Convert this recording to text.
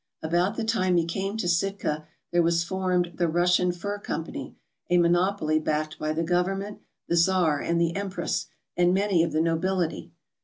About the time he came to Sitka there was formed the Russian Fur Company, a monopoly backed by the government, the Czar, and the Empress, and many of the nobility.